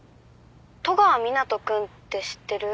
戸川湊斗君って知ってる？